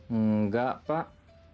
hmm engga pak